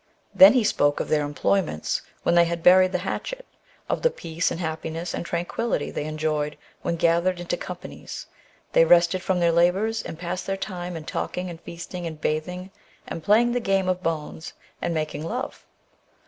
Then he spoke of their employments when they had buried the hatchet ; of the peace and happiness and tranquillity they en joyed when gathered into companies, they rested from their labours, and passed their time in talking and feasting, and bathing, and playing the game of bones, and making love.